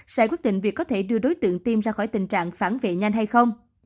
sẽ quyết định việc có thể đưa đối tượng tiêm ra khỏi tình trạng phản vệ nhanh hay không